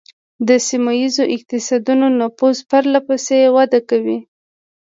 د سیمه ایزو اقتصادونو نفوذ پرله پسې وده کوي